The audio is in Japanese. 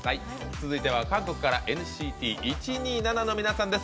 続いては、韓国からＮＣＴ１２７の皆さんです。